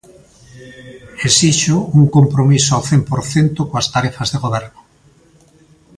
Esixo un compromiso ao cen por cento coas tarefas de Goberno.